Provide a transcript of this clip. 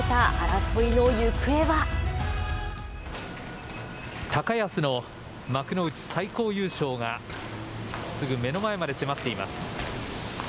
高安の幕内最高優勝がすぐ目の前まで迫っています。